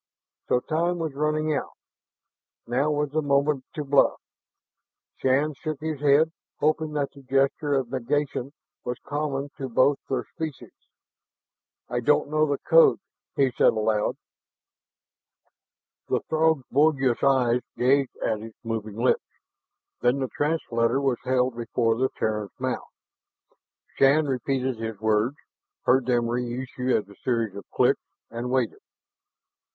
So time must be running out. Now was the moment to bluff. Shann shook his head, hoping that the gesture of negation was common to both their species. "I don't know the code," he said aloud. The Throg's bulbous eyes gazed, at his moving lips. Then the translator was held before the Terran's mouth. Shann repeated his words, heard them reissue as a series of clicks, and waited.